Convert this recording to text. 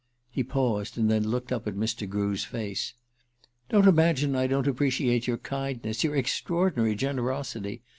He paused, and then looked up at Mr. Grew's face. "Don't imagine I don't appreciate your kindness your extraordinary generosity.